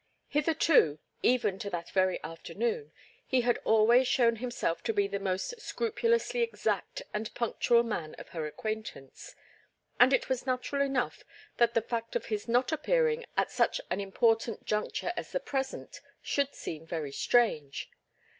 Hitherto, even to that very afternoon, he had always shown himself to be the most scrupulously exact and punctual man of her acquaintance, and it was natural enough that the fact of his not appearing at such an important juncture as the present should seem very strange.